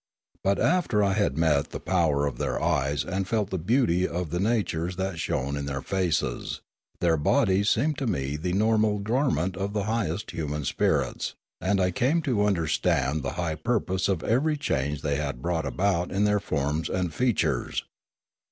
But after I had met the power of their eyes and felt the beauty of the natures that shone in their faces, their bodies seemed to me the normal garment of the highest human spirits ; and I came to under stand the high purpose of every change they had brought about in their forms and features.